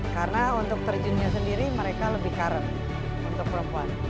karena untuk terjunnya sendiri mereka lebih current untuk perempuan